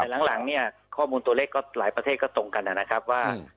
หลังเนี่ยข้อมูลตัวเลขก็หลายประเทศก็ตรงกันนะครับว่า